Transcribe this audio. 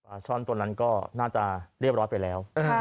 ช่อนตัวนั้นก็น่าจะเรียบร้อยไปแล้ว